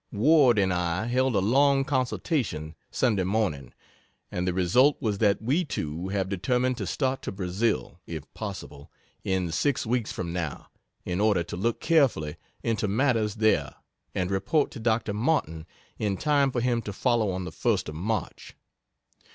Ward and I held a long consultation, Sunday morning, and the result was that we two have determined to start to Brazil, if possible, in six weeks from now, in order to look carefully into matters there and report to Dr. Martin in time for him to follow on the first of March.